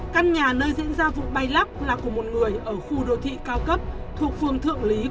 căn nhà nơi diễn ra vụ bay lắc là của một người ở khu đô thị cao cấp thuộc phường thượng lý quận hồng bạc